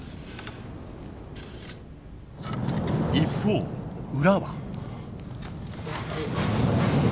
一方裏は。